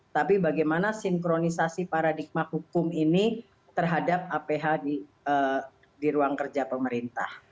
tapi bagaimana sinkronisasi paradigma hukum ini terhadap aph di ruang kerja pemerintah